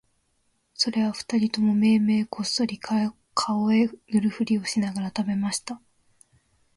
それは二人ともめいめいこっそり顔へ塗るふりをしながら喰べました